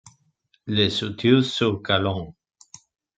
Les Authieux-sur-Calonne